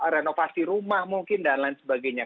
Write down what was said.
renovasi rumah mungkin dan lain sebagainya